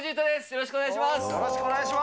よろしくお願いします。